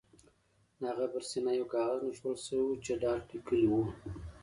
د هغه په سینه یو کاغذ نښلول شوی و چې ډارت لیکلي وو